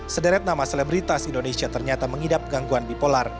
sederet nama selebritas indonesia ternyata mengidap gangguan bipolar